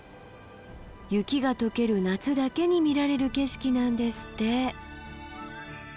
雪が解ける夏だけに見られる景色なんですって。